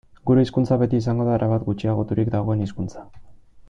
Gure hizkuntza beti izango da erabat gutxiagoturik dagoen hizkuntza.